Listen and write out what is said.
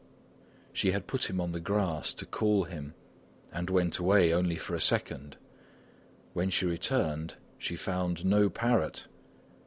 She had put him on the grass to cool him and went away only for a second; when she returned, she found no parrot!